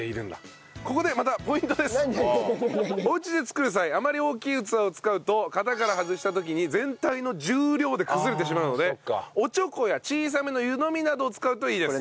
おうちで作る際あまり大きい器を使うと型から外した時に全体の重量で崩れてしまうのでおちょこや小さめの湯のみなどを使うといいです。